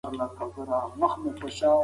نظري پوښتنې له واقعي پوښتنو نه جلا کیږي.